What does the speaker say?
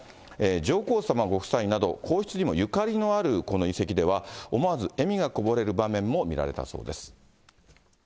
上皇さまご夫妻など、皇室にもゆかりのあるこの遺跡では、思わず笑みがこぼれる場面も見られたそうです。